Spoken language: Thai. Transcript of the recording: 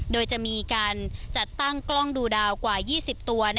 โดยจะมีการจัดตั้งกล้องดูดาวกว่า๒๐ตัว